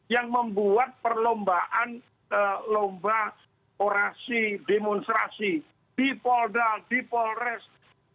yang membuat perlombaan lomba orasi demonstrasi dipoldal dipolres